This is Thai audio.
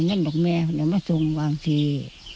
เงินเท่าไหร่อย่างนี้